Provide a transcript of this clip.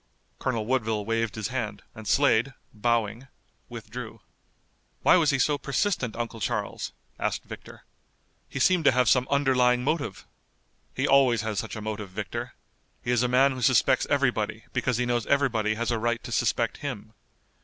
Colonel Woodville waved his hand and Slade, bowing, withdrew. "Why was he so persistent, Uncle Charles?" asked Victor. "He seemed to have some underlying motive." "He always has such a motive, Victor. He is a man who suspects everybody because he knows everybody has a right to suspect him.